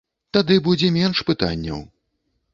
Тады будзе менш пытанняў.